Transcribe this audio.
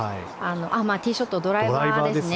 ティーショットドライバーですね。